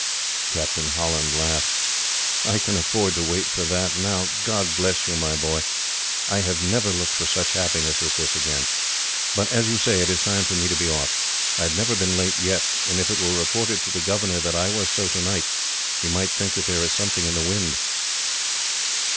Captain Holland laughed. "I can afford to wait for that, now. God bless you, my boy! I have never looked for such happiness as this again. But, as you say, it is time for me to be off. I have never been late yet, and if it were reported to the governor that I was so tonight, he might think that there was something in the wind."